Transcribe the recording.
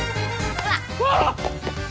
うわっ！